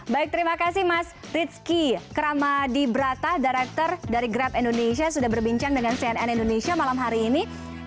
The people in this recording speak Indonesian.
baik terima kasih mas rizky kramadi brata director dari grab indonesia sudah berbincang dengan cnn indonesia malam hari ini